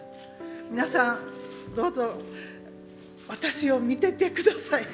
皆さんどうぞ私を見てて下さい。